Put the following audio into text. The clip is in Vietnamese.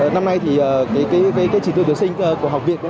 năm nay thì cái trí tuyển sinh của học viện